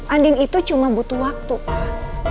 andin itu cuma butuh waktu pak